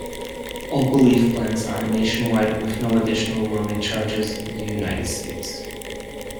All Belief plans are nationwide with no additional roaming charges in the United States.